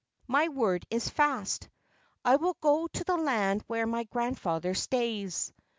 My word is fast. I will go to the land where my grandfather stays."